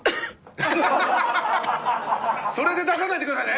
それで出さないでくださいね。